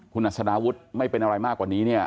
คุณอัศดาวุฒิไม่เป็นอะไรมากกว่านี้เนี่ย